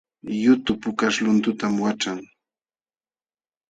Yutu pukaśh luntutam waćhan